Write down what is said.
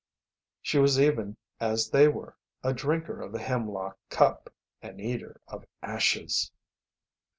She was even as they were, a drinker of the hemlock cup, an eater of ashes.